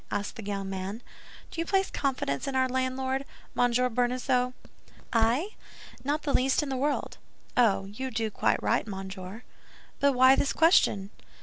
asked the young man. "Do you place confidence in our landlord—Monsieur Bonacieux?" "I? Not the least in the world." "Oh, you do quite right, monsieur." "But why this question?"